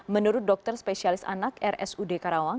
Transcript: menurut dokter spesialis anak rsud karawang